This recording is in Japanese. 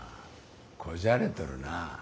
こじゃれとるな。